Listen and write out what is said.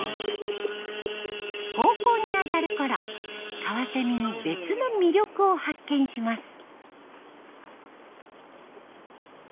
高校に上がるころカワセミに別の魅力を発見します。